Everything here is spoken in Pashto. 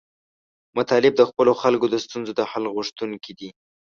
طالبان د خپلو خلکو د ستونزو د حل غوښتونکي دي.